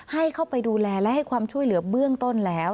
ให้เข้าไปดูแลและให้ความช่วยเหลือเบื้องต้นแล้ว